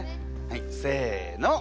はいせの！